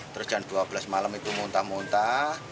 terus jam dua belas malam itu muntah muntah